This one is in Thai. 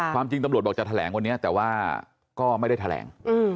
ความจริงตำรวจบอกจะแถลงวันนี้แต่ว่าก็ไม่ได้แถลง